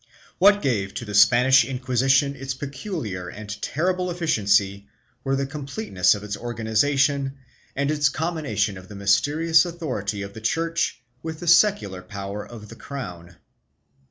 WHAT gave to the Spanish Inquisition its peculiar and terrible efficiency were the completeness of its organization and its combination of the mysterious authority of the Church with the secular power of the crown.